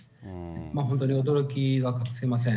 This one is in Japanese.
本当に驚きは隠せません。